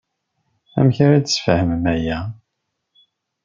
Amek ara d-tesfehmem aya?